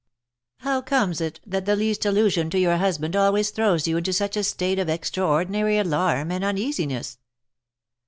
"How comes it that the least allusion to your husband always throws you into such a state of extraordinary alarm and uneasiness?"